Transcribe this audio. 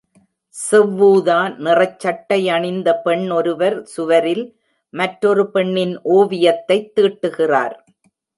செவ்வூதா நிறச் சட்டை அணிந்த பெண் ஒருவர் சுவரில் மற்றொரு பெண்ணின் ஓவியத்தைத் தீட்டுகிறார்.